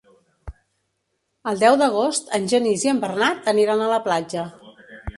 El deu d'agost en Genís i en Bernat aniran a la platja.